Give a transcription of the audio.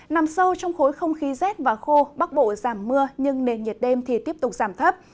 nằm sâu trong khối không khí rét và khô bắc bộ giảm mưa nhưng nền nhiệt đêm thì tiếp tục giảm thấp